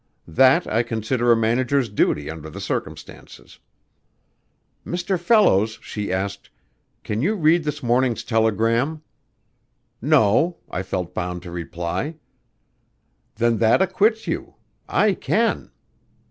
That I consider a manager's duty under the circumstances.' 'Mr. Fellows,' she asked, 'can you read this morning's telegram?' 'No,' I felt bound to reply. 'Then that acquits you. I can.'